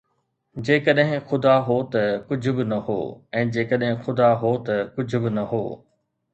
جيڪڏهن خدا هو ته ڪجهه به نه هو، ۽ جيڪڏهن خدا هو ته ڪجهه به نه هو